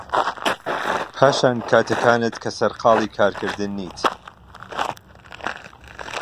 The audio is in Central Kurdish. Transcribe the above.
پاشان کاتەکانت کە سەرقاڵی کارکردن نیت